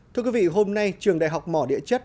thưa quý vị hôm nay trường đại học mỏ địa chất